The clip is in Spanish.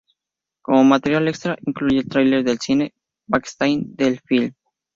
Como material extra incluye el trailer del cine y Backstage del film